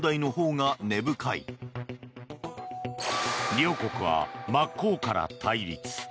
両国は真っ向から対立。